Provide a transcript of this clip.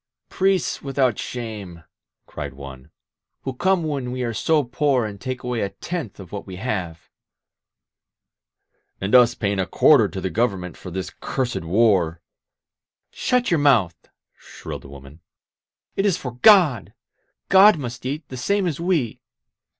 "Priests without shame," cried one, "who come when we are so poor and take away a tenth of what we have !" "And us paying a quarter to the Government for this cursed warP' ... "Shut your mouth !" shrilled the woman. "It is for God ! God must eat, the same as we.